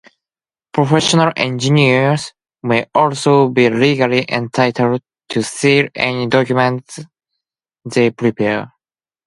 Professional engineers may also be legally entitled to seal any document they prepare.